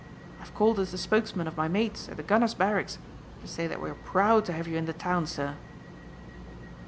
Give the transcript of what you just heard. I have called as the spokesman of my mates at the gunner's barracks to say that we are proud to have you in the town, sir."